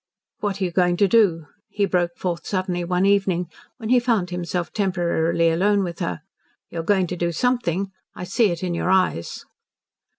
"What are you going to do?" he broke forth suddenly one evening, when he found himself temporarily alone with her. "You are going to do something. I see it in your eyes."